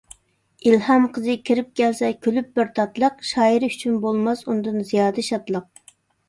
ئىلھام قىزى كىرىپ كەلسە كۈلۈپ بىر تاتلىق، شائىر ئۈچۈن بولماس ئۇندىن زىيادە شادلىق.